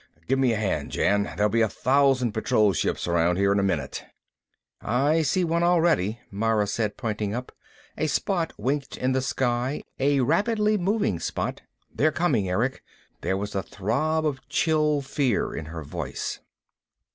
Give me a hand, Jan. There'll be a thousand patrol ships around here in a minute." "I see one already," Mara said, pointing up. A spot winked in the sky, a rapidly moving spot. "They're coming, Erick." There was a throb of chill fear in her voice.